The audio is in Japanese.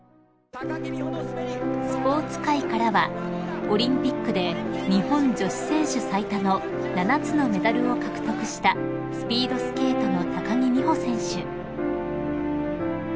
［スポーツ界からはオリンピックで日本女子選手最多の７つのメダルを獲得したスピードスケートの木美帆選手］